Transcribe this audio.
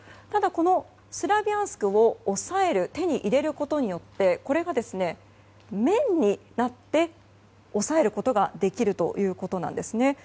ただ、スラビャンスクを手に入れることによってこれが面になって、抑えることができるということです。